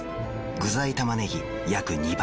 具材たまねぎ約２倍。